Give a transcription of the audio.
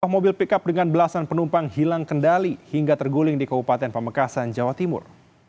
enam mobil pickup dengan belasan penumpang hilang kendali hingga terguling di kabupaten pamekasan jawa timur